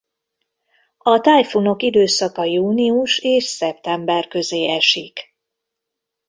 A tájfunok időszaka június és szeptember közé esik.